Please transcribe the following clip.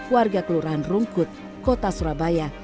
warga kelurahan rungkut kota surabaya